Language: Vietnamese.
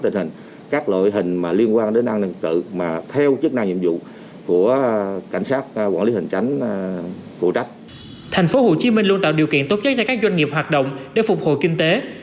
thành phố hồ chí minh luôn tạo điều kiện tốt nhất cho các doanh nghiệp hoạt động để phục hồi kinh tế